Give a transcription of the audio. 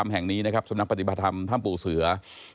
แห่งนี้นะครับสำนักปฏิบัติธรรมถ้ำปู่เสือ